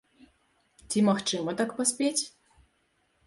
Ці магчыма так паспець?